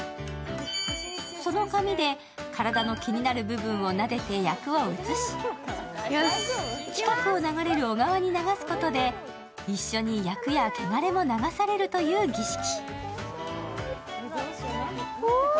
その紙で、体の気になる部分をなでて厄を移し、近くを流れる小川に流すことで一緒に厄や汚れも流されるという儀式。